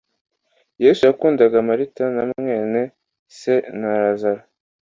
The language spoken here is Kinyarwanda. yesu yakundaga marita na mwene se na lazaro